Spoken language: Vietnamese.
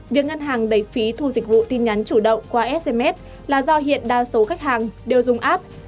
việc ngân hàng đẩy phí thu dịch vụ tin nhắn chủ động qua sms là do hiện đa số khách hàng đều dùng app